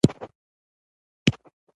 او اخىستل کېږي،